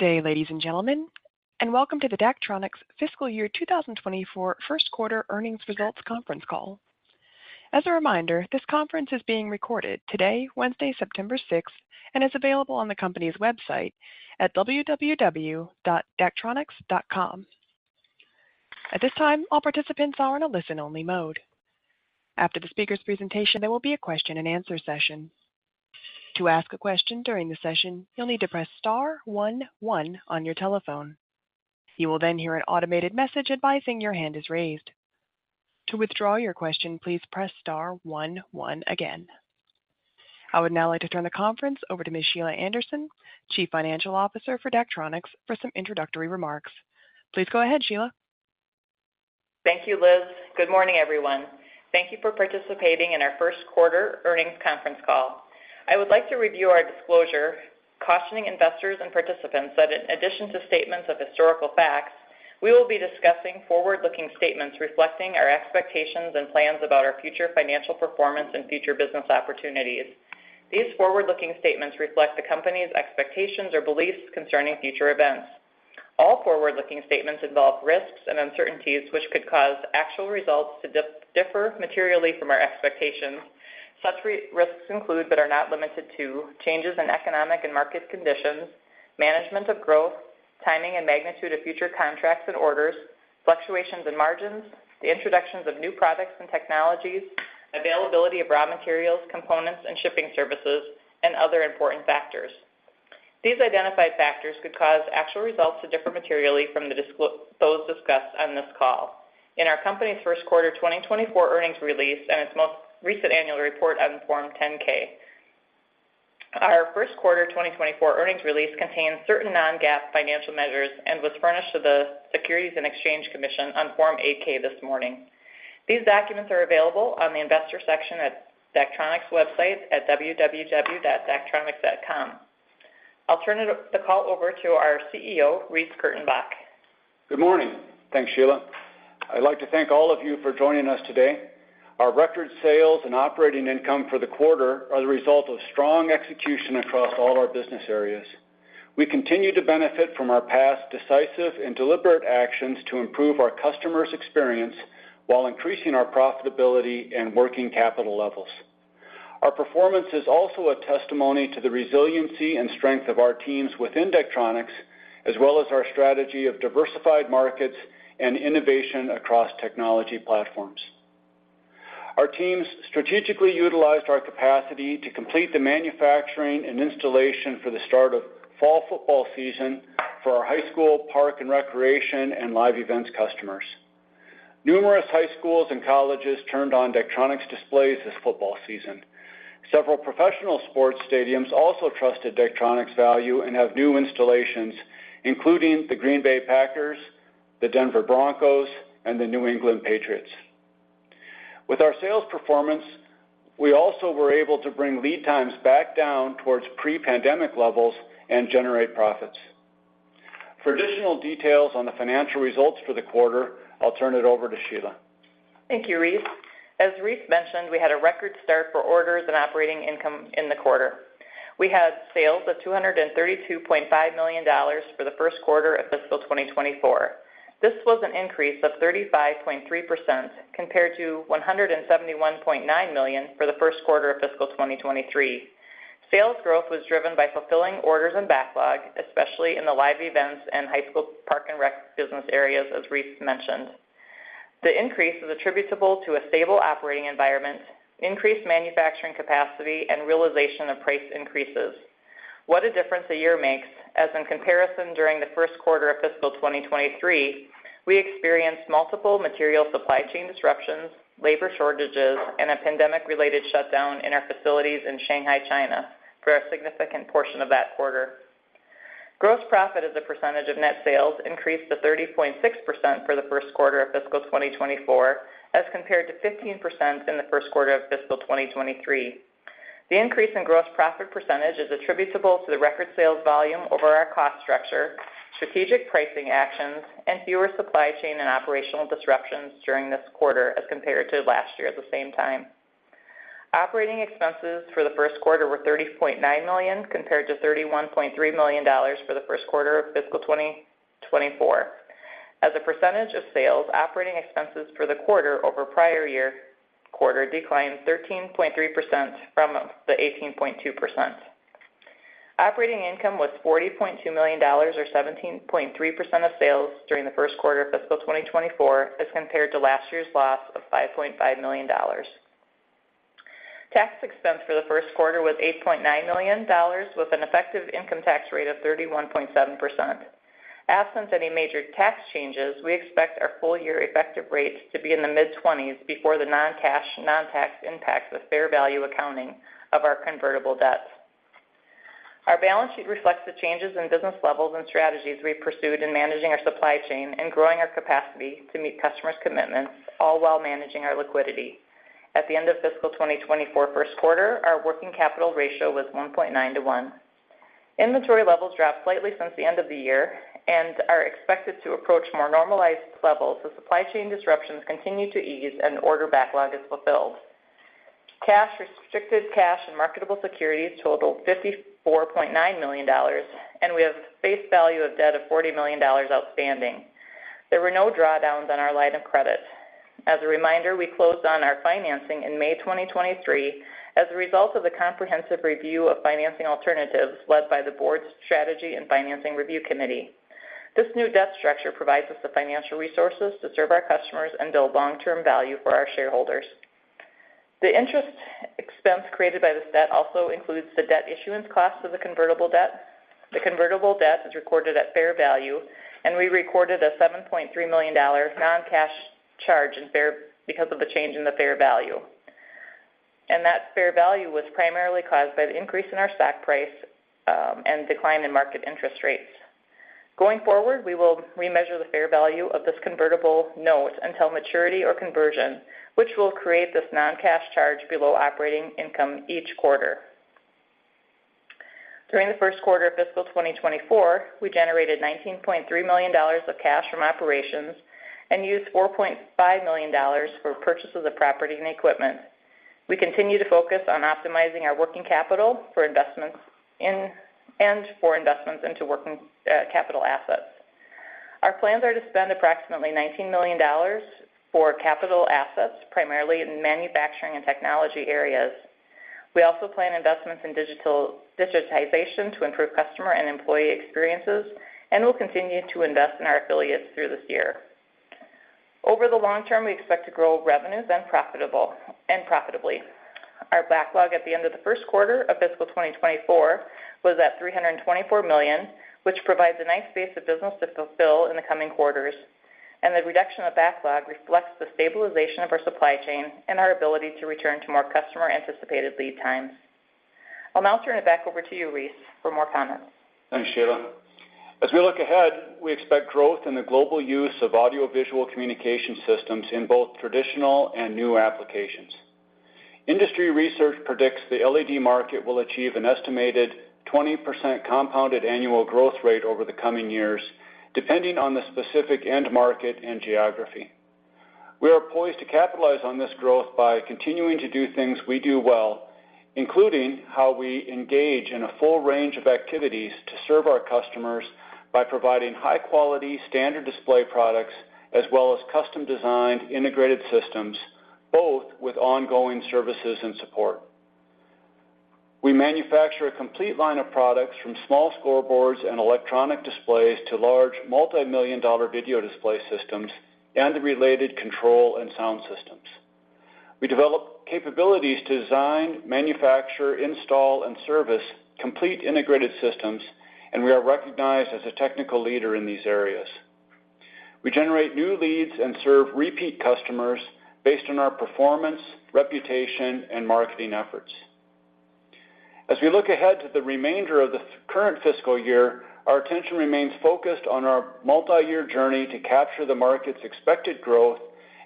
Good day, ladies and gentlemen, and welcome to the Daktronics fiscal year 2024 first quarter earnings results conference call. As a reminder, this conference is being recorded today, Wednesday, September 6, and is available on the company's website at www.daktronics.com. At this time, all participants are in a listen-only mode. After the speaker's presentation, there will be a question-and-answer session. To ask a question during the session, you'll need to press star one one on your telephone. You will then hear an automated message advising your hand is raised. To withdraw your question, please press star one one again. I would now like to turn the conference over to Ms. Sheila Anderson, Chief Financial Officer for Daktronics, for some introductory remarks. Please go ahead, Sheila. Thank you, Liz. Good morning, everyone. Thank you for participating in our first quarter earnings conference call. I would like to review our disclosure, cautioning investors and participants that in addition to statements of historical facts, we will be discussing forward-looking statements reflecting our expectations and plans about our future financial performance and future business opportunities. These forward-looking statements reflect the company's expectations or beliefs concerning future events. All forward-looking statements involve risks and uncertainties, which could cause actual results to differ materially from our expectations. Such risks include, but are not limited to, changes in economic and market conditions, management of growth, timing and magnitude of future contracts and orders, fluctuations in margins, the introductions of new products and technologies, availability of raw materials, components, and shipping services, and other important factors. These identified factors could cause actual results to differ materially from those discussed on this call. In our company's first quarter 2024 earnings release and its most recent annual report on Form 10-K. Our first quarter 2024 earnings release contains certain non-GAAP financial measures and was furnished to the Securities and Exchange Commission on Form 8-K this morning. These documents are available on the investors section at Daktronics' website at www.daktronics.com. I'll turn the call over to our CEO, Reece Kurtenbach. Good morning. Thanks, Sheila. I'd like to thank all of you for joining us today. Our record sales and operating income for the quarter are the result of strong execution across all our business areas. We continue to benefit from our past decisive and deliberate actions to improve our customers' experience while increasing our profitability and working capital levels. Our performance is also a testimony to the resiliency and strength of our teams within Daktronics, as well as our strategy of diversified markets and innovation across technology platforms. Our teams strategically utilized our capacity to complete the manufacturing and installation for the start of fall football season for our High School Park and Recreation and Live Events customers. Numerous high schools and colleges turned on Daktronics displays this football season. Several professional sports stadiums also trusted Daktronics' value and have new installations, including the Green Bay Packers, the Denver Broncos, and the New England Patriots. With our sales performance, we also were able to bring lead times back down towards pre-pandemic levels and generate profits. For additional details on the financial results for the quarter, I'll turn it over to Sheila. Thank you, Reece. As Reece mentioned, we had a record start for orders and operating income in the quarter. We had sales of $232.5 million for the first quarter of fiscal 2024. This was an increase of 35.3% compared to $171.9 million for the first quarter of fiscal 2023. Sales growth was driven by fulfilling orders and backlog, especially in the Live Events and High School Park and Recreation business areas, as Reece mentioned. The increase is attributable to a stable operating environment, increased manufacturing capacity, and realization of price increases. What a difference a year makes, as in comparison, during the first quarter of fiscal 2023, we experienced multiple material supply chain disruptions, labor shortages, and a pandemic-related shutdown in our facilities in Shanghai, China, for a significant portion of that quarter. Gross profit as a percentage of net sales increased to 30.6% for the first quarter of fiscal 2024, as compared to 15% in the first quarter of fiscal 2023. The increase in gross profit percentage is attributable to the record sales volume over our cost structure, strategic pricing actions, and fewer supply chain and operational disruptions during this quarter as compared to last year at the same time. Operating expenses for the first quarter were $30.9 million, compared to $31.3 million for the first quarter of fiscal 2024. As a percentage of sales, operating expenses for the quarter over prior-year quarter declined 13.3% from 18.2%. Operating income was $40.2 million or 17.3% of sales during the first quarter of fiscal 2024, as compared to last year's loss of $5.5 million. Tax expense for the first quarter was $8.9 million with an effective income tax rate of 31.7%. Absent any major tax changes, we expect our full-year effective rates to be in the mid-20s% before the non-cash, non-tax impact of fair value accounting of our convertible debt. Our balance sheet reflects the changes in business levels and strategies we pursued in managing our supply chain and growing our capacity to meet customers' commitments, all while managing our liquidity. At the end of fiscal 2024 first quarter, our working capital ratio was 1.9 to 1. Inventory levels dropped slightly since the end of the year and are expected to approach more normalized levels as supply chain disruptions continue to ease and order backlog is fulfilled. Cash, restricted cash, and marketable securities totaled $54.9 million, and we have a face value of debt of $40 million outstanding. There were no drawdowns on our line of credit. As a reminder, we closed on our financing in May 2023 as a result of the comprehensive review of financing alternatives led by the Board's Strategy and Financing Review Committee. This new debt structure provides us the financial resources to serve our customers and build long-term value for our shareholders. The interest expense created by this debt also includes the debt issuance cost of the convertible debt. The convertible debt is recorded at fair value, and we recorded a $7.3 million non-cash charge in fair value because of the change in the fair value. That fair value was primarily caused by the increase in our stock price and decline in market interest rates. Going forward, we will remeasure the fair value of this convertible note until maturity or conversion, which will create this non-cash charge below operating income each quarter. During the first quarter of fiscal 2024, we generated $19.3 million of cash from operations and used $4.5 million for purchases of property and equipment. We continue to focus on optimizing our working capital for investments in and for investments into working capital assets. Our plans are to spend approximately $19 million for capital assets, primarily in manufacturing and technology areas. We also plan investments in digitization to improve customer and employee experiences, and we'll continue to invest in our affiliates through this year. Over the long term, we expect to grow revenues profitably. Our backlog at the end of the first quarter of fiscal 2024 was at $324 million, which provides a nice base of business to fulfill in the coming quarters, and the reduction of backlog reflects the stabilization of our supply chain and our ability to return to more customer-anticipated lead times. I'll now turn it back over to you, Reece, for more comments. Thanks, Sheila. As we look ahead, we expect growth in the global use of audiovisual communication systems in both traditional and new applications. Industry research predicts the LED market will achieve an estimated 20% compounded annual growth rate over the coming years, depending on the specific end market and geography. We are poised to capitalize on this growth by continuing to do things we do well, including how we engage in a full range of activities to serve our customers by providing high-quality, standard display products, as well as custom-designed integrated systems, both with ongoing services and support. We manufacture a complete line of products, from small scoreboards and electronic displays to large, multimillion-dollar video display systems and the related control and sound systems. We develop capabilities to design, manufacture, install, and service complete integrated systems, and we are recognized as a technical leader in these areas. We generate new leads and serve repeat customers based on our performance, reputation, and marketing efforts. As we look ahead to the remainder of the current fiscal year, our attention remains focused on our multi-year journey to capture the market's expected growth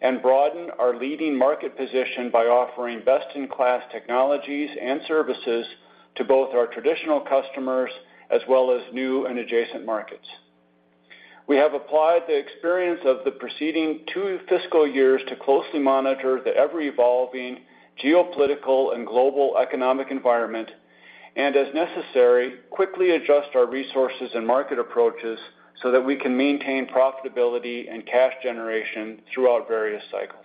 and broaden our leading market position by offering best-in-class technologies and services to both our traditional customers as well as new and adjacent markets. We have applied the experience of the preceding two fiscal years to closely monitor the ever-evolving geopolitical and global economic environment, and as necessary, quickly adjust our resources and market approaches so that we can maintain profitability and cash generation throughout various cycles.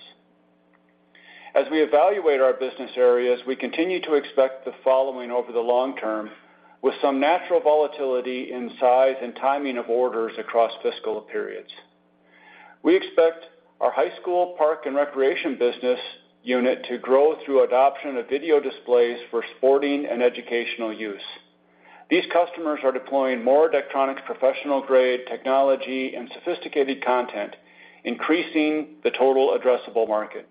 As we evaluate our business areas, we continue to expect the following over the long term, with some natural volatility in size and timing of orders across fiscal periods. We expect our High School Park and Recreation business unit to grow through adoption of video displays for sporting and educational use. These customers are deploying more Daktronics professional-grade technology and sophisticated content, increasing the total addressable market.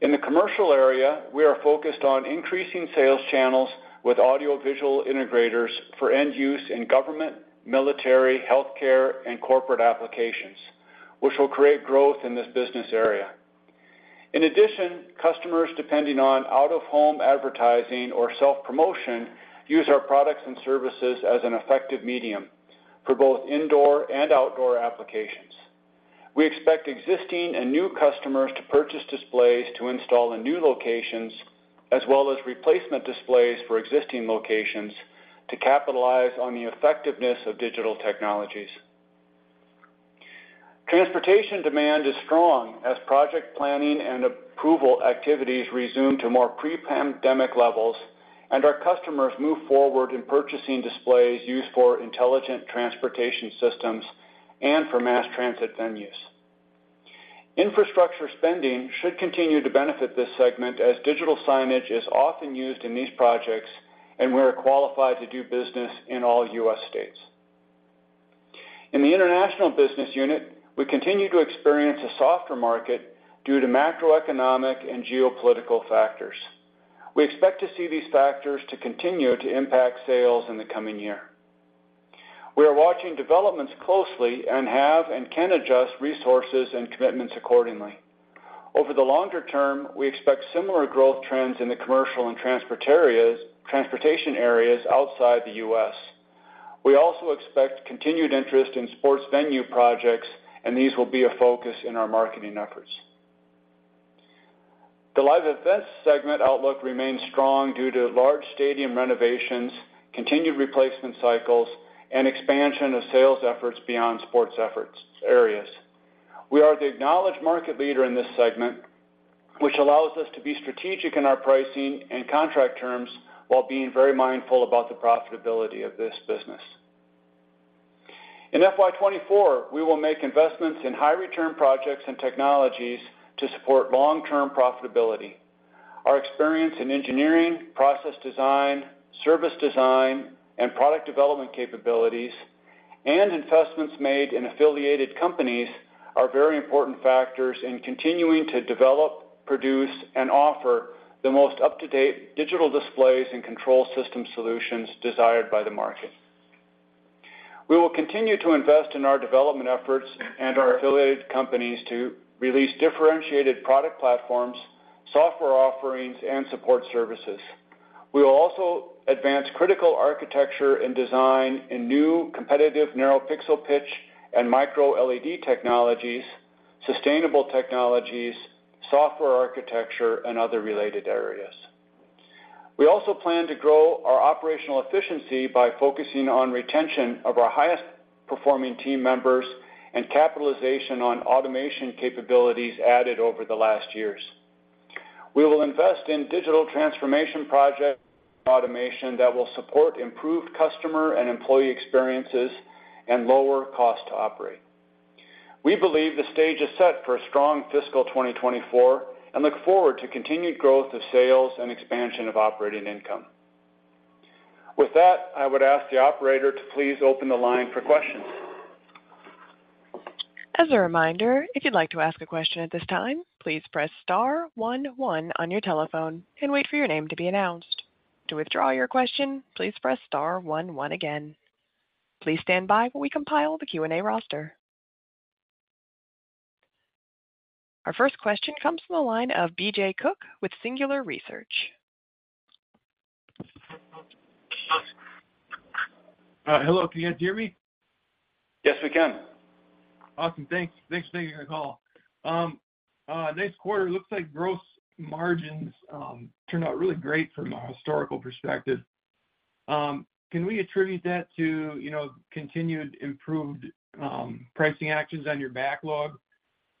In the Commercial area, we are focused on increasing sales channels with audiovisual integrators for end use in government, military, healthcare, and corporate applications, which will create growth in this business area. In addition, customers depending on out-of-home advertising or self-promotion use our products and services as an effective medium for both indoor and outdoor applications. We expect existing and new customers to purchase displays to install in new locations, as well as replacement displays for existing locations, to capitalize on the effectiveness of digital technologies. Transportation demand is strong as project planning and approval activities resume to more pre-pandemic levels, and our customers move forward in purchasing displays used for intelligent transportation systems and for mass transit venues. Infrastructure spending should continue to benefit this segment, as digital signage is often used in these projects, and we are qualified to do business in all U.S. states. In the International business unit, we continue to experience a softer market due to macroeconomic and geopolitical factors. We expect to see these factors to continue to impact sales in the coming year. We are watching developments closely and have and can adjust resources and commitments accordingly. Over the longer term, we expect similar growth trends in the Commercial and Transportation areas outside the U.S. We also expect continued interest in sports venue projects, and these will be a focus in our marketing efforts. The Live Events segment outlook remains strong due to large stadium renovations, continued replacement cycles, and expansion of sales efforts beyond sports efforts areas. We are the acknowledged market leader in this segment, which allows us to be strategic in our pricing and contract terms while being very mindful about the profitability of this business. In FY 2024, we will make investments in high-return projects and technologies to support long-term profitability. Our experience in engineering, process design, service design, and product development capabilities, and investments made in affiliated companies are very important factors in continuing to develop, produce, and offer the most up-to-date digital displays and control system solutions desired by the market. We will continue to invest in our development efforts and our affiliated companies to release differentiated product platforms, software offerings, and support services. We will also advance critical architecture and design in new competitive narrow pixel pitch and MicroLED technologies, sustainable technologies, software architecture, and other related areas. We also plan to grow our operational efficiency by focusing on retention of our highest performing team members and capitalization on automation capabilities added over the last years. We will invest in digital transformation project automation that will support improved customer and employee experiences and lower cost to operate. We believe the stage is set for a strong fiscal 2024, and look forward to continued growth of sales and expansion of operating income. With that, I would ask the operator to please open the line for questions. As a reminder, if you'd like to ask a question at this time, please press star one, one on your telephone and wait for your name to be announced. To withdraw your question, please press star one, one again. Please stand by while we compile the Q&A roster. Our first question comes from the line of BJ Cook with Singular Research. Hello. Can you guys hear me? Yes, we can. Awesome. Thanks. Thanks for taking the call. This quarter looks like gross margins turned out really great from a historical perspective. Can we attribute that to, you know, continued improved pricing actions on your backlog?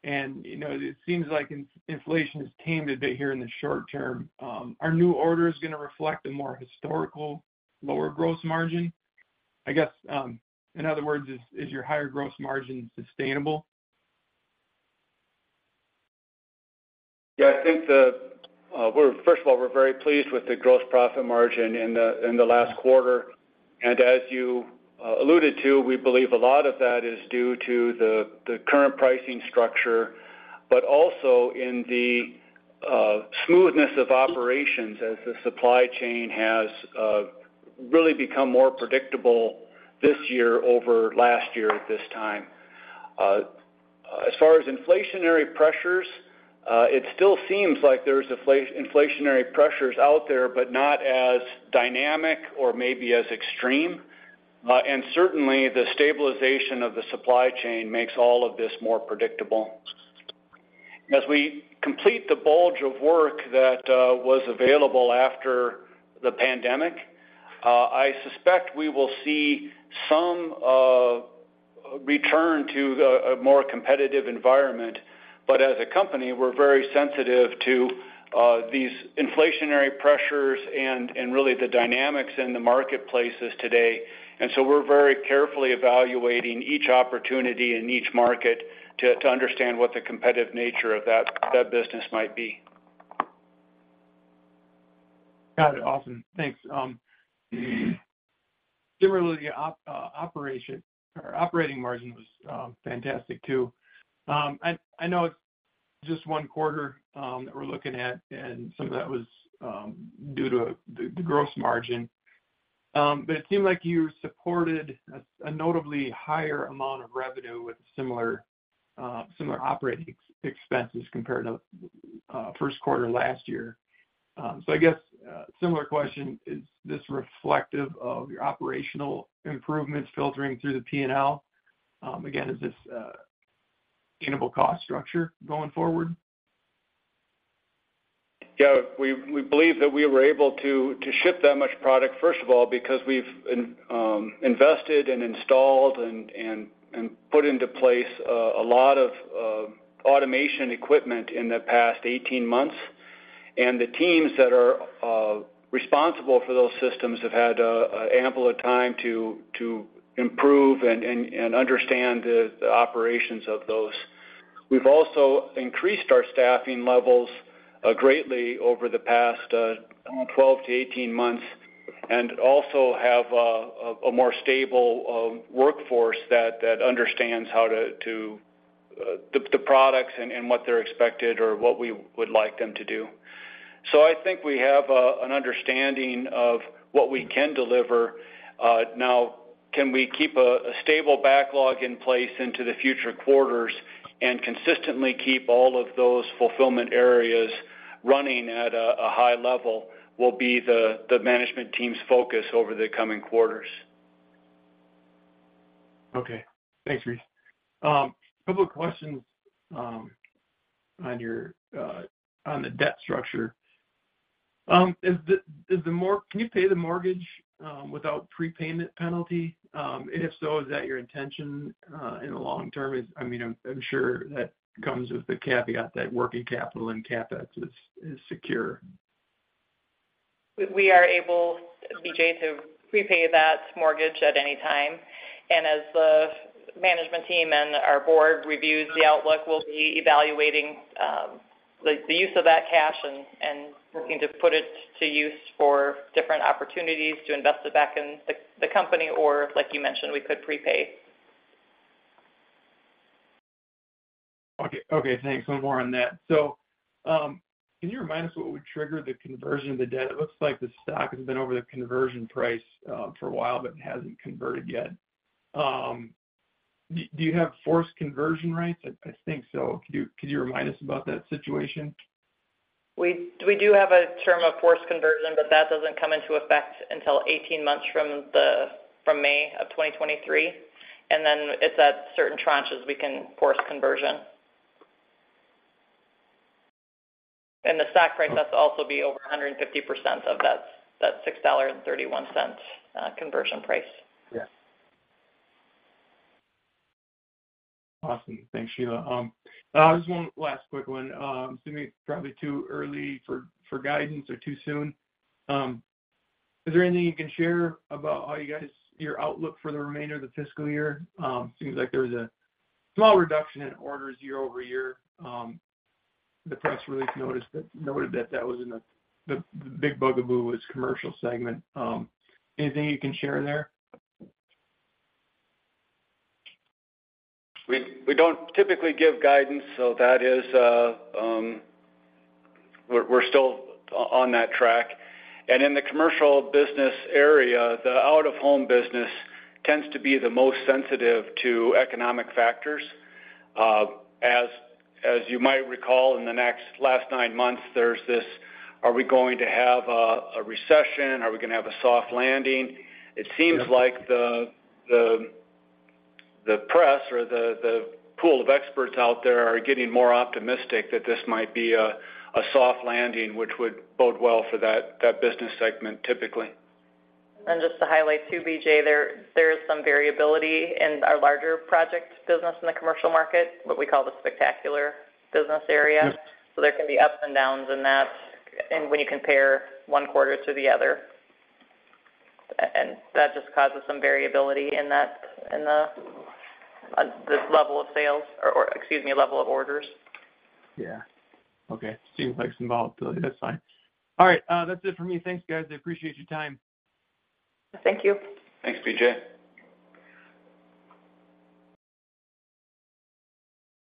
And, you know, it seems like inflation has tamed a bit here in the short term. Are new orders going to reflect a more historical lower gross margin? In other words, is your higher gross margin sustainable? Yeah. I think we're first of all very pleased with the gross profit margin in the last quarter. And as you alluded to, we believe a lot of that is due to the current pricing structure, but also in the smoothness of operations as the supply chain has really become more predictable this year over last year at this time. As far as inflationary pressures, it still seems like there's inflationary pressures out there, but not as dynamic or maybe as extreme. And certainly, the stabilization of the supply chain makes all of this more predictable. As we complete the bulge of work that was available after the pandemic, I suspect we will see some return to a more competitive environment. But as a company, we're very sensitive to these inflationary pressures and really the dynamics in the marketplaces today. And so we're very carefully evaluating each opportunity in each market to understand what the competitive nature of that business might be. Got it. Awesome. Thanks. Similarly, the operating margin was fantastic too. I know it's just one quarter that we're looking at, and some of that was due to the gross margin. But it seemed like you supported a notably higher amount of revenue with similar operating expenses compared to first quarter last year. So I guess, similar question, is this reflective of your operational improvements filtering through the P&L? Again, is this a sustainable cost structure going forward? Yeah. We believe that we were able to ship that much product, first of all, because we've invested and installed and put into place a lot of automation equipment in the past 18 months. The teams that are responsible for those systems have had ample of time to improve and understand the operations of those. We've also increased our staffing levels greatly over the past 12-18 months, and also have a more stable workforce that understands how to the products and what they're expected or what we would like them to do. So I think we have an understanding of what we can deliver. Now, we keep a stable backlog in place into the future quarters and consistently keep all of those fulfillment areas running at a high level, will be the management team's focus over the coming quarters. Okay. Thanks, Reece. Couple of questions on the debt structure. Can you pay the mortgage without prepayment penalty? And if so, is that your intention in the long term? I mean, I'm sure that comes with the caveat that working capital and CapEx is secure. We are able, BJ, to prepay that mortgage at any time, and as the management team and our board reviews the outlook, we'll be evaluating the use of that cash and looking to put it to use for different opportunities to invest it back in the company, or like you mentioned, we could prepay. Okay, okay, thanks. One more on that. So, can you remind us what would trigger the conversion of the debt? It looks like the stock has been over the conversion price for a while, but it hasn't converted yet. Do you have forced conversion rates? I think so. Could you remind us about that situation? We do have a term of forced conversion, but that doesn't come into effect until 18 months from May of 2023, and then it's at certain tranches we can force conversion. And the stock price has to also be over 150% of that $6.31 conversion price. Yeah. Awesome. Thanks, Sheila. Just one last quick one. To me, it's probably too early for guidance or too soon. Is there anything you can share about how you guys, your outlook for the remainder of the fiscal year? Seems like there was a small reduction in orders year over year. The press release noted that that was in the big bugaboo was Commercial segment. Anything you can share in there? We don't typically give guidance, so that is, we're still on that track. And in the Commercial business area, the out-of-home business tends to be the most sensitive to economic factors. As you might recall, in the last nine months, there's this: are we going to have a recession? Are we gonna have a soft landing? It seems like the press or the pool of experts out there are getting more optimistic that this might be a soft landing, which would bode well for that business segment, typically. Just to highlight, too, BJ, there is some variability in our larger project business in the commercial market, what we call the spectacular business area. So there can be ups and downs in that, and when you compare one quarter to the other. And that just causes some variability in that, in the level of sales, or, excuse me, level of orders. Yeah. Okay, seems like some volatility. That's fine. All right, that's it for me. Thanks, guys. I appreciate your time. Thank you. Thanks, BJ.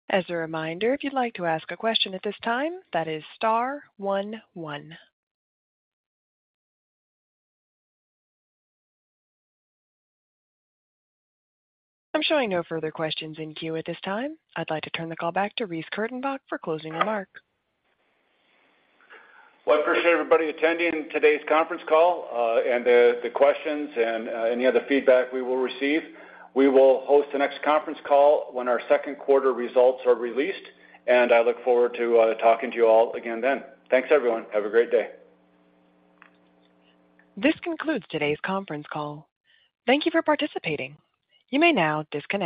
As a reminder, if you'd like to ask a question at this time, that is star one one. I'm showing no further questions in queue at this time. I'd like to turn the call back to Reece Kurtenbach for closing remarks. Well, I appreciate everybody attending today's conference call, and the questions and any other feedback we will receive. We will host the next conference call when our second quarter results are released, and I look forward to talking to you all again then. Thanks, everyone. Have a great day. This concludes today's conference call. Thank you for participating. You may now disconnect.